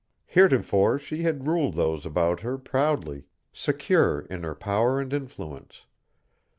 Heretofore she had ruled those about her proudly, secure in her power and influence.